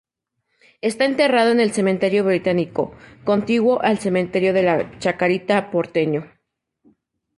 Está enterrado en el Cementerio Británico contiguo al Cementerio de la Chacarita porteño.